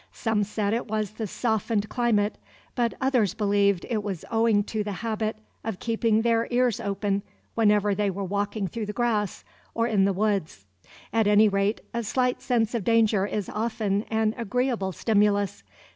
Some said it was the softened climate, but others believed it was owing to the habit of keeping their ears open whenever they were walking through the grass or in the woods. At any rate, a slight sense of danger is often an agreeable stimulus.